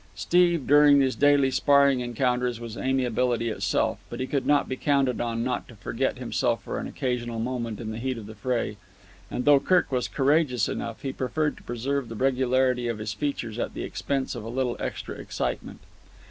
Steve, during these daily sparring encounters, was amiability itself; but he could not be counted upon not to forget himself for an occasional moment in the heat of the fray; and though Kirk was courageous enough, he preferred to preserve the regularity of his features at the expense of a little extra excitement.